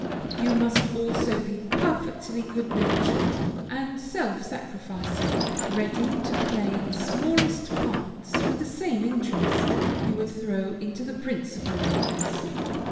You must also be perfectly good natured and self sacrificing; ready to play the smallest parts with the same interest you would throw into the principal ones.